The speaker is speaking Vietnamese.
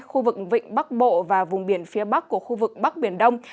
khu vực vịnh bắc bộ và vùng biển phía bắc của khu vực bắc biển đông